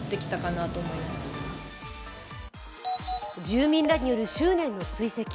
住民らによる執念の追跡。